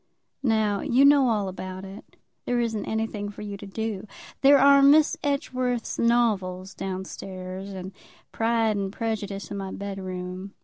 "Now you know all about it. There isn't anything for you to do. There are Miss Edgeworth's novels down stairs, and 'Pride and Prejudice' in my bed room.